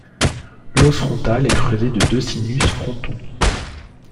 L'os frontal est creusé de deux sinus frontaux.